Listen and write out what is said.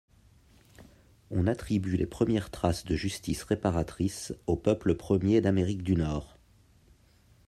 On attribue les premières traces de justice réparatrice aux peuples premiers d'Amérique du Nord.